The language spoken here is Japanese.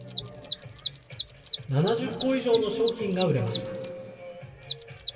７０個以上の商品が売れました。